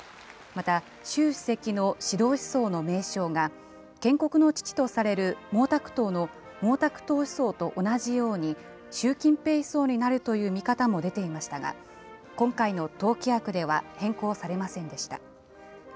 また、習主席の指導思想の名称が、建国の父とされる毛沢東の毛沢東思想と同じように、習近平思想になるという見方も出ていましたが、今回の党規約では変更されませんでした。